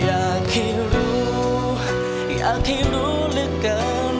อยากให้รู้อยากให้รู้เหลือเกิน